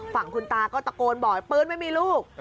ฝั่งคุณตาก็ตะโกนบอกปืนไม่มีลูก